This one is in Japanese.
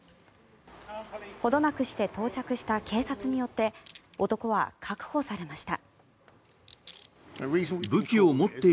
ほどなくして到着した警察によって男は確保されました。